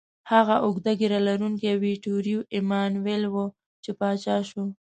هغه اوږده ږیره لرونکی ویټوریو ایمانویل و، چې پاچا شو.